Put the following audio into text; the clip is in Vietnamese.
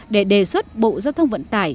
để đề xuất bộ giao thông vận tải